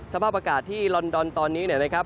สภาพอากาศที่ลอนดอนตอนนี้เนี่ยนะครับ